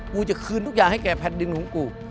กูจะคืนทุกอย่างให้แก่แผ่นดินของกู